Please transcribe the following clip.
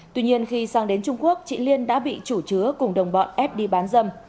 tuy nhiên khi sang đến trung quốc chị liên đã bị chủ chứa cùng đồng bọn ép đi bán dâm